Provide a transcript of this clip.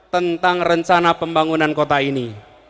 tentang rencana pembangunan kota ini